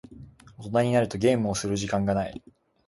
大人になるとゲームをする時間がない。